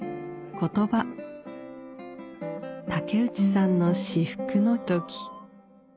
竹内さんの至福の時。